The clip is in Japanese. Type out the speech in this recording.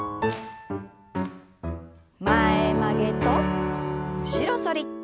前曲げと後ろ反り。